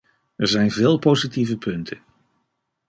Er zijn veel positieve punten.